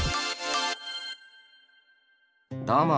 どうも。